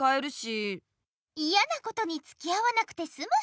いやなことにつきあわなくてすむし。